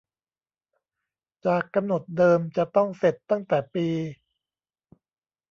จากกำหนดเดิมจะต้องเสร็จตั้งแต่ปี